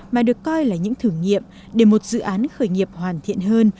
mà được coi là những thử nghiệm để một dự án khởi nghiệp hoàn thiện hơn